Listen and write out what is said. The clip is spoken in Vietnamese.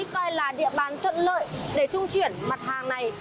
coi là địa bàn thuận lợi để trung chuyển mặt hàng này